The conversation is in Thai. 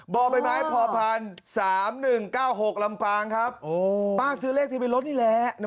บแบบไหมพอพันธุ์๓๑๙๖ลำปางครับโอ้ป้าซื้อเลขที่เป็นรถนี่แหละ